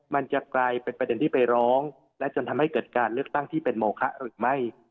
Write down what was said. มันจะกลายเป็นประเด็นที่ไปร้องและจนทำให้เกิดการเลือกตั้งที่เป็นโมคะหรือไม่